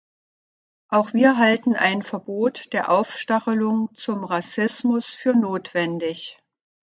Auch wir halten ein Verbot der Aufstachelung zum Rassismus für notwendig.